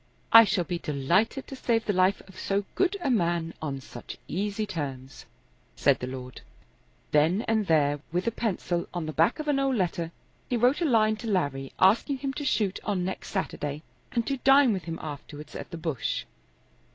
"I shall be delighted to save the life of so good a man on such easy terms," said the lord. Then and there, with a pencil, on the back of an old letter, he wrote a line to Larry asking him to shoot on next Saturday and to dine with him afterwards at the Bush.